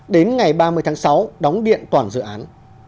đến ngày ba mươi tháng sáu đóng điện toàn dự án